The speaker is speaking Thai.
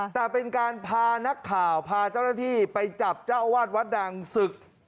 แต่เป็นการพานักข่าวพาเจ้าหน้าที่ไปจับเจ้าอาวาสวัดดังศึก